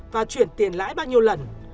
và chuyển tiền lãi bao nhiêu lần